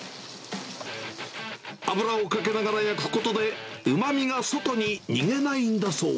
油をかけながら焼くことで、うまみが外に逃げないんだそう。